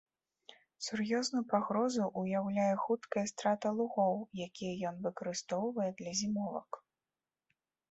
Сур'ёзную пагрозу ўяўляе хуткая страта лугоў, якія ён выкарыстоўвае для зімовак.